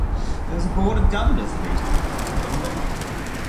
There was a board of governors at Eton, wasn't there?